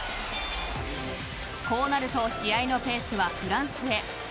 こうなると試合のペースはフランスへ。